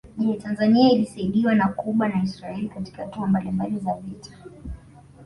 Je Tanzania ilisaidiwa na Cuba na Israeli Katika hatua mbalimbali za vita